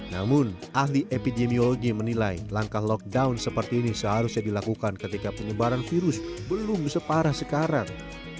namun ahli epidemiologi menilai langkah lockdown seperti ini seharusnya dilakukan ketika penyebaran virus belum separah sekarang